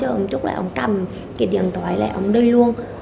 sau đó một chút là ông cầm cái điện thoại là ông đi luôn